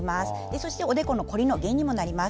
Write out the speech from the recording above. そして、おでこの凝りの原因にもなります。